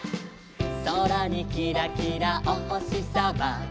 「そらにキラキラおほしさま」